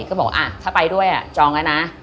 ก็บอกถ้าไปด้วยจองแล้วนะ